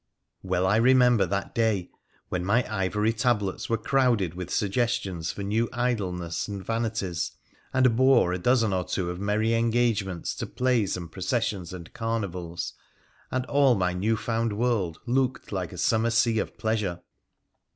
Well I remember that day, when my ivory tablets were crowded with suggestions for new idleness and vanities, and bore a dozen or two of merry engagements to plays and processions and carnivals, and all my new found world looked like a summer sea of pleasure.